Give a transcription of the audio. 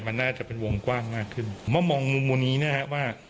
มันน่าจะเป็นวงกว้างมากขึ้นมามองมุมมุมนี้นะฮะว่า